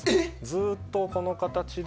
ずっとこの形で。